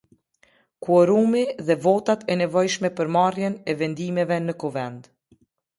Kuorumi dhe Votat e Nevojshme për Marrjen e Vendimeve në Kuvend.